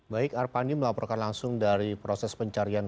baik arpandi melaporkan langsung dari proses pencarian